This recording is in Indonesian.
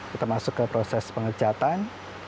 kita masuk ke proses pengecatan